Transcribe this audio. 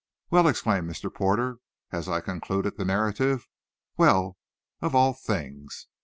"Well!" exclaimed Mr. Porter, as I concluded the narrative. "Well! Of all things!